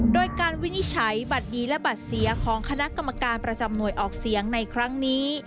โดยการวินิจฉัยบัตรดีและบัตรเสียของคณะกรรมการประจำหน่วยออกเสียงในครั้งนี้